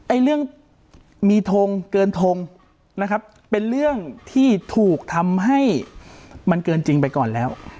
เรื่องมีทงเกินทงนะครับเป็นเรื่องที่ถูกทำให้มันเกินจริงไปก่อนแล้ว